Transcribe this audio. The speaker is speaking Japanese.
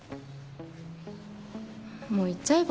もう言っちゃえば？